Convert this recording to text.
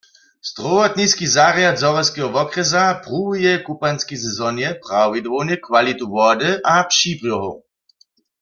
Strowotniski zarjad Zhorjelskeho wokrjesa pruwuje w kupanskej sezonje prawidłownje kwalitu wody a přibrjohow.